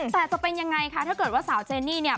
แต่จะเป็นอย่างไรคะถ้าเกิดว่าสาวเจนี่